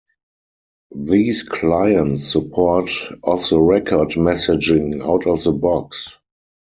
These clients support Off-the-Record Messaging out of the box.